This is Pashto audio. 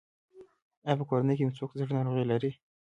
ایا په کورنۍ کې مو څوک د زړه ناروغي لري؟